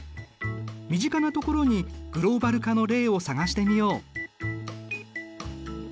身近なところにグローバル化の例を探してみよう。